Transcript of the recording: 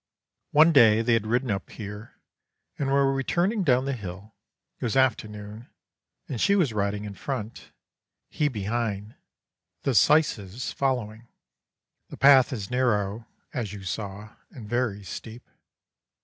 One day they had ridden up here, and were returning down the hill. It was afternoon, and she was riding in front, he behind, the syces following. The path is narrow, as you saw, and very steep.